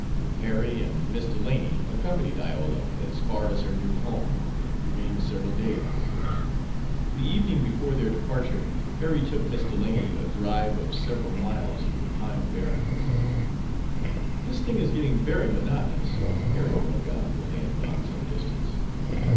Harry and Miss Delany accompanied Iola as far as her new home, and remained several days. The evening before their departure, Harry took Miss Delany a drive of several miles through the pine barrens. "This thing is getting very monotonous," Harry broke out, when they had gone some distance.